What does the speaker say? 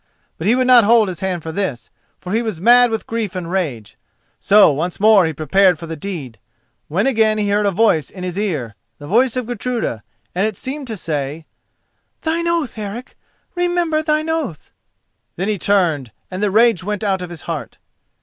But he would not hold his hand for this, for he was mad with grief and rage. So once more he prepared for the deed, when again he heard a voice in his ear—the voice of Gudruda, and it seemed to say: "Thine oath, Eric! remember thine oath!" Then he turned and the rage went out of his heart.